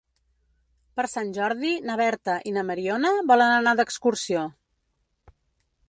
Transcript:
Per Sant Jordi na Berta i na Mariona volen anar d'excursió.